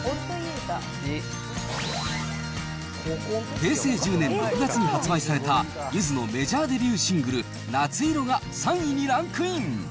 平成１０年６月に発売されたゆずのメジャーデビューシングル、夏色が３位にランクイン。